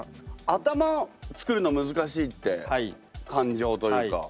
頭作るの難しいって感情というか。